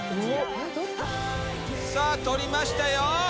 さぁ取りましたよ。